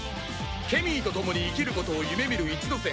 ケミーと共に生きることを夢見る一ノ瀬